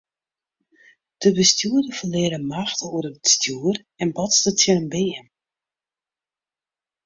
De bestjoerder ferlear de macht oer it stjoer en botste tsjin in beam.